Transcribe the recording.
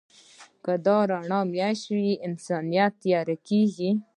که دا رڼا مړه شي، انسانیت تیاره کېږي.